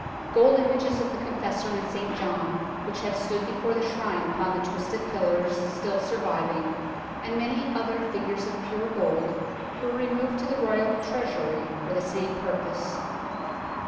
Gold images of the Confessor and St John, which had stood before the Shrine upon the twisted pillars, still surviving, and many other figures of pure gold, were removed to the Royal Treasury for the same purpose.